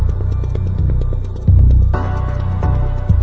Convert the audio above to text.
และสิ่งที่เราจะไม่ได้สร้าง